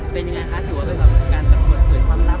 เป็นยังไงคะถือว่าเป็นสำหรับการเปิดเผยความลับ